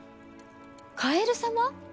カエル様？